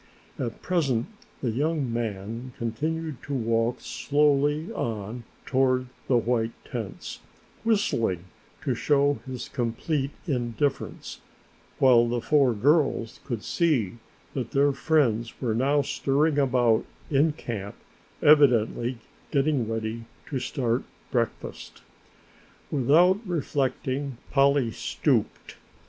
At present the young man continued to walk slowly on toward the white tents, whistling to show his complete indifference, while the four girls could see that their friends were now stirring about in camp evidently getting ready to start breakfast. Without reflecting Polly stooped.